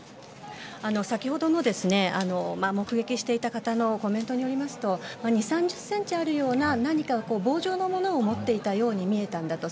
先ほどの目撃していた方のコメントによりますと２０３０ｃｍあるような何か棒状のものを持っていたように見えたんだと。